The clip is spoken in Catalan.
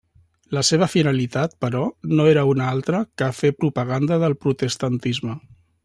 La seva finalitat, però, no era una altra que fer propaganda del protestantisme.